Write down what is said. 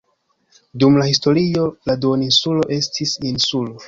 Dum la historio la duoninsulo estis insulo.